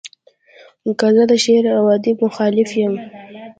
که زه د شعر و ادب مخالف یم.